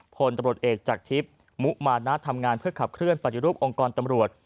พลตำรวจเอกจากทิพย์มุมานะทำงานเพื่อขับเคลื่อนปฏิรูปองค์กรตำรวจ